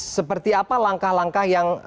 seperti apa langkah langkah yang